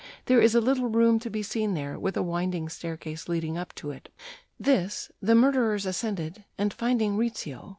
There is a little room to be seen there, with a winding staircase leading up to it. This the murderers ascended, and, finding Rizzio